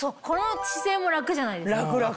この姿勢も楽じゃないですか？